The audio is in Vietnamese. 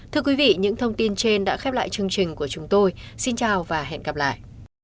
thưa quý vị những thông tin trên đã khép lại chương trình của chúng tôi xin chào và hẹn gặp lại